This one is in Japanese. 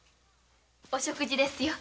お食事ですよ。